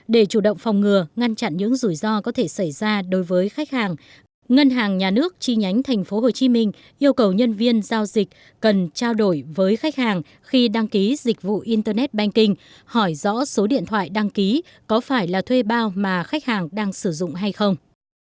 để chủ động phòng ngừa ngăn chặn những rủi ro có thể xảy ra đối với khách hàng ngân hàng nhà nước chi nhánh tp hcm yêu cầu nhân viên giao dịch cần trao đổi với khách hàng khi đăng ký dịch vụ internet banking hỏi rõ số điện thoại đăng ký có phải là thuê bao mà khách hàng đang sử dụng hay không